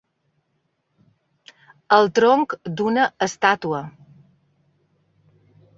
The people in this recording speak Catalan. El tronc d'una estàtua.